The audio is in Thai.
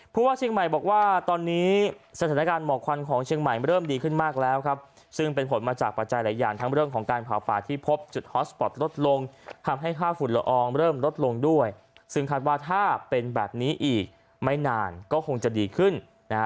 เพราะว่าเชียงใหม่บอกว่าตอนนี้สถานการณ์เหมาะควันของเชียงใหม่เริ่มดีขึ้นมากแล้วครับ